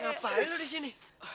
ngapain lo di sini